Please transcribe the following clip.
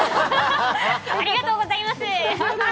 ありがとうございます。